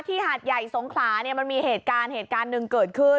ที่หาดใหญ่สงขามันมีเหตุการณ์หนึ่งเกิดขึ้น